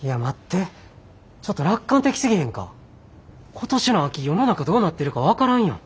今年の秋世の中どうなってるか分からんやん。